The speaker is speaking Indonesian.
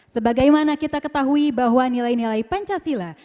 sebagaimana kita ketahui bahwa nilai nilai pancasila